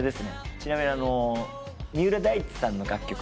ちなみに三浦大知さんの楽曲は。